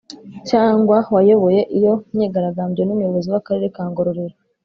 cyangwa wayoboye iyo myigaragambyo n umuyobozi w Akarere ka Ngororero